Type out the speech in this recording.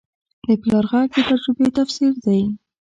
د پلار غږ د تجربې تفسیر دی